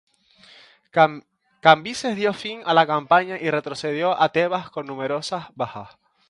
Cambises dio fin a la campaña y retrocedió a Tebas con numerosas bajas.